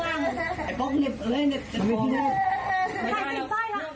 ไอ้พ่อคุณลิบ